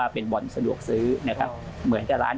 เป็นบ่อนสะดวกซื้อนะครับ